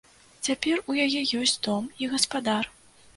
Цяпер у яе ёсць дом і гаспадар.